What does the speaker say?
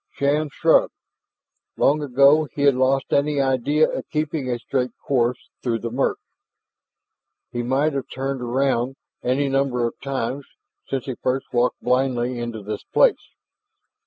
Shann shrugged. Long ago he had lost any idea of keeping a straight course through the murk. He might have turned around any number of times since he first walked blindly into this place.